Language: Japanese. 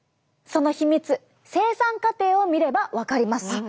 その秘密生産過程を見れば分かります。